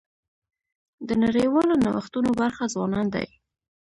د نړیوالو نوښتونو برخه ځوانان دي.